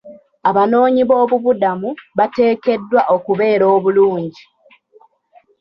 Abanoonyiboobubuddamu bateekeddwa okubeera obulungi.